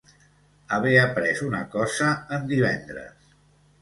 Haver après una cosa en divendres.